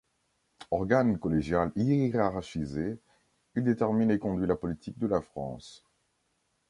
Organe collégial hiérarchisé, il détermine et conduit la politique de la France.